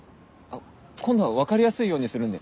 今度は分かりやすいようにするんで。